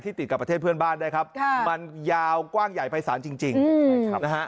ติดกับประเทศเพื่อนบ้านได้ครับมันยาวกว้างใหญ่ภายศาลจริงใช่ครับนะฮะ